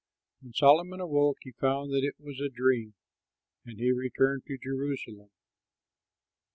When Solomon awoke, he found that it was a dream; and he returned to Jerusalem.